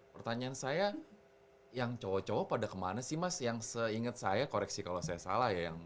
pertanyaan saya yang cowok cowok pada kemana sih mas yang seingat saya koreksi kalau saya salah ya